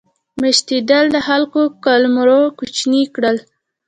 میشتېدل د خلکو قلمرو کوچني کړل.